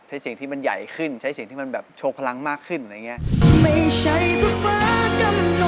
ใช้สิ่งที่มันใหญ่ขึ้นใช้สิ่งที่มันแบบโชว์พลังมากขึ้นอะไรอย่างนี้